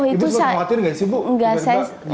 itu lo khawatir gak sih bu